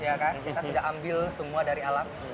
iya kan kita sudah ambil semua dari alam